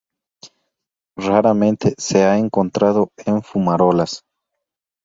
Raramente se ha encontrado en fumarolas.